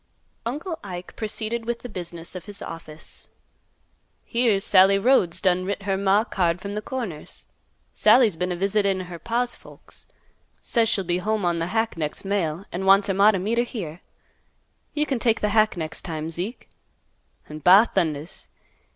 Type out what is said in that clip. Uncle Ike proceeded with the business of his office. "Here's Sallie Rhodes done writ her maw a card from th' Corners. Sallie's been a visitin' her paw's folks. Says she'll be home on th' hack next mail, an' wants her maw t' meet her here. You can take th' hack next time, Zeke. An' ba thundas!